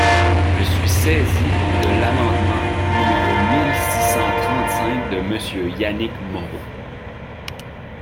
Je suis saisie de l’amendement numéro mille six cent trente-cinq de Monsieur Yannick Moreau.